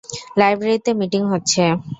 লাইব্রেরিতে মিটিং হচ্ছে।